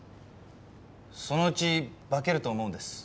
そのうち化けると思うんです。